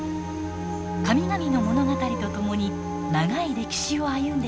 神々の物語とともに長い歴史を歩んできました。